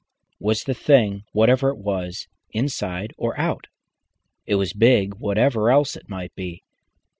Was the thing, whatever it was, inside or out? It was big, whatever else it might be.